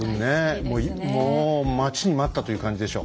もう待ちに待ったという感じでしょ。